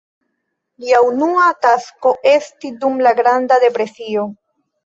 Lia unua tasko esti dum la Granda Depresio.